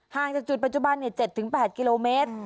ห่างจากจุดปัจจุบัน๗๘กิโลเมตร